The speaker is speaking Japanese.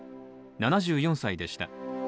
７４歳でした。